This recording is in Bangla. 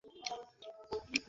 আমি সত্যিই যেতে চাই।